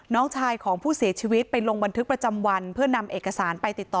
น้องชายของผู้เสียชีวิตไปลงบันทึกประจำวันเพื่อนำเอกสารไปติดต่อ